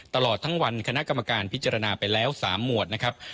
ตลอดทั้งวันคณะกรรมการพิจารณาไปแล้ว๓หมวดนะครับ